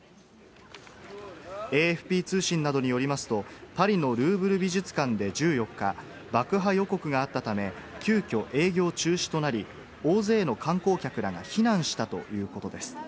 ＡＦＰ通信などによりますと、パリのルーブル美術館で１４日、爆破予告があったため、急きょ営業中止となり、大勢の観光客らが避難したということです。